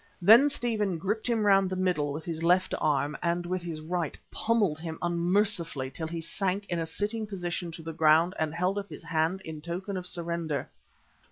Then Stephen gripped him round the middle with his left arm and with his right pommelled him unmercifully till he sank in a sitting position to the ground and held up his hand in token of surrender.